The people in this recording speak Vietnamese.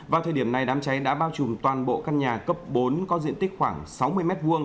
vào thời điểm này đám cháy đã bao trùm toàn bộ căn nhà cấp bốn có diện tích khoảng sáu mươi m hai